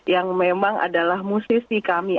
yang memang adalah musisi kami